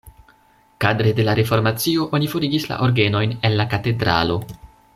Kadre de la reformacio oni forigis la orgenojn el la katedralo.